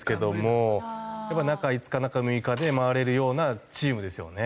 やっぱ中５日中６日で回れるようなチームですよね。